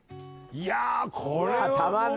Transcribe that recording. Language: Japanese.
いやこれはもう。